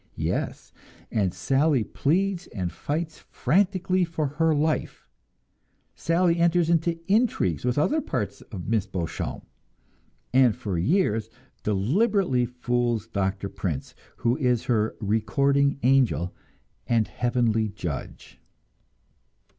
Yes, and Sally pleads and fights frantically for her life; Sally enters into intrigues with other parts of Miss Beauchamp, and for years deliberately fools Doctor Prince, who is her Recording Angel and Heavenly Judge!